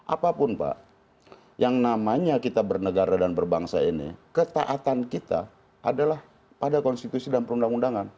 apapun pak yang namanya kita bernegara dan berbangsa ini ketaatan kita adalah pada konstitusi dan perundang undangan